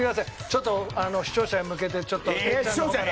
ちょっと視聴者へ向けてちょっと哲ちゃんの方から。